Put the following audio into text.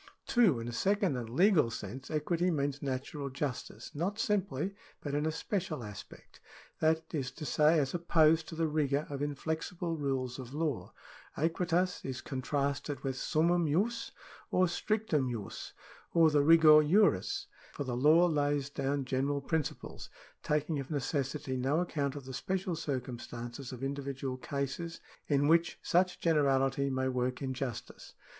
2. In a second and legal sense equity means natural justice, not simply, but in a special aspect ; that is to say, as opposed to the rigour of inflexible rules of law. Aequitas is contrasted with summumjus, or stricfumjus, or the rigor juris. For the law lays down general principles, taking of necessity no account of the special circumstances of individual cases in which such generality may work injustice.